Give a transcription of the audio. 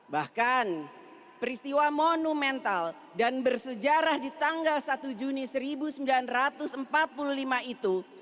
bahkan peristiwa monumental dan bersejarah di tanggal satu juni seribu sembilan ratus empat puluh lima itu